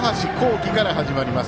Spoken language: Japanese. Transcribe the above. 稀から始まります。